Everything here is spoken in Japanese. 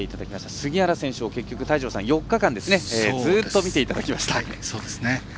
杉原選手を泰二郎さん４日間ずっと見ていただきました。